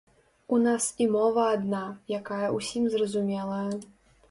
У нас і мова адна, якая ўсім зразумелая.